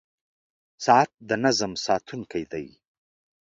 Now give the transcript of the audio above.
• ساعت د نظم ساتونکی دی.